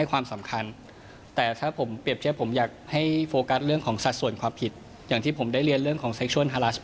ว่าสัดส่วนความผิดของเรา